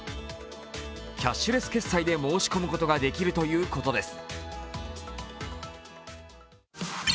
キャッシュレス決済で申し込むことができるということです。